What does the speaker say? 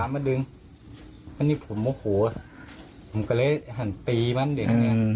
ตรงนี้ผมโมโหผมก็เลยหันตีมันอย่างนี้